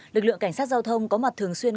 lực lượng cảnh sát giao thông có mặt thường xuyên